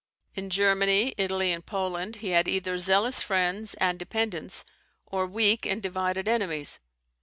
In Germany, Italy, and Poland he had either zealous friends and dependents, or weak and divided enemies.